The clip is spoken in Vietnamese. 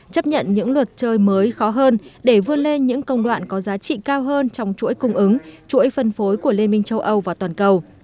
chấp nhận những luật chơi mới khó hơn để vươn lên những công đoạn có giá trị cao hơn trong chuỗi cung ứng chuỗi phân phối của liên minh châu âu và toàn cầu